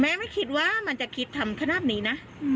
ไม่คิดว่ามันจะคิดทำขนาดนี้นะ